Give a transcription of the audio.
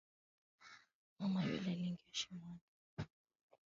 hivyo vilishika kasi na vilikuwa mojawapo ya vita vikuu dhidi ya ukoloni barani Afrika